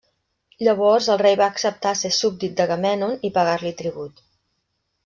Llavors el rei va acceptar ser súbdit d'Agamèmnon i pagar-li tribut.